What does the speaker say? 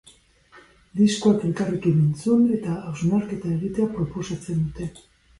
Diskoak elkarrekin entzun eta hausnarketa egitea proposatzen dute.